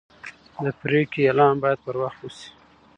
د پریکړې اعلان باید پر وخت وشي.